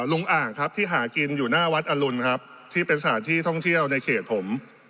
อ่างครับที่หากินอยู่หน้าวัดอรุณครับที่เป็นสถานที่ท่องเที่ยวในเขตผม